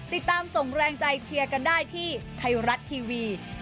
ส่งแรงใจเชียร์กันได้ที่ไทยรัฐทีวี